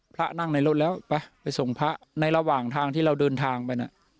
พระนั่งในรถแล้วไปไปส่งพระในระหว่างทางที่เราเดินทางไปน่ะ